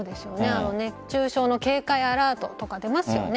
熱中症の警戒アラートとか出ますよね。